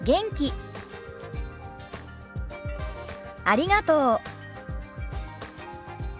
ありがとう。